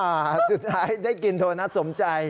อ้าวสุดท้ายได้กินโดนัทสมใจ